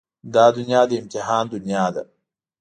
دا دنيا د امتحان دنيا ده.